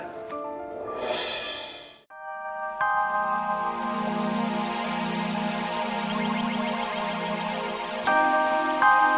hari ini dia